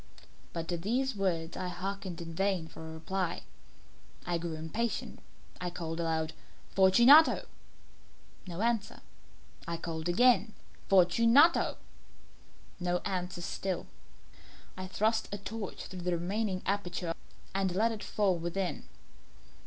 But to these words I hearkened in vain for a reply. I grew impatient. I called aloud "Fortunato!" No answer. I called again "Fortunato " No answer still. I thrust a torch through the remaining aperture and let it fall within.